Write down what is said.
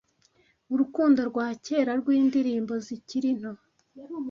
urukundo rwa kera rwindirimbo zikiri nto